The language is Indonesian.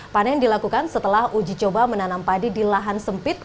panen dilakukan setelah uji coba menanam padi di lahan sempit